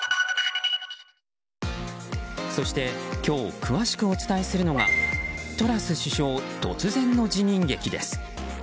そして今日詳しくお伝えするのはトラス首相、突然の辞任劇です。